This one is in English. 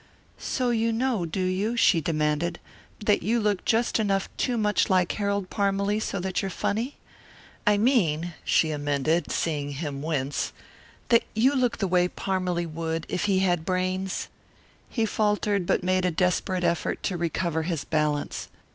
"So you know, do you," she demanded, "that you look just enough too much like Harold Parmalee so that you're funny? I mean." she amended, seeing him wince, "that you look the way Parmalee would look if he had brains?" He faltered but made a desperate effort to recover his balance.